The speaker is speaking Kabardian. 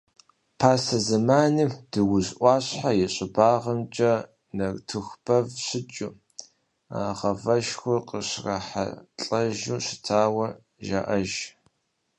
Пасэ зэманым Дуужь ӏуащхьэ и щӏыбагъымкӏэ нартыху бэв щыкӏыу, гъавэшхуэ къыщрахьэлӏэжу щытауэ жаӏэж.